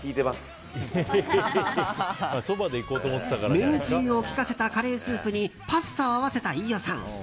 めんつゆを利かせたカレースープにパスタを合わせた飯尾さん。